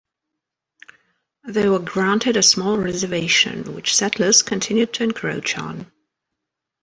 They were granted a small reservation, which settlers continued to encroach on.